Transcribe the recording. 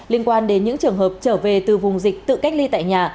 liên quan đến những trường hợp trở về từ vùng dịch tự cách ly tại nhà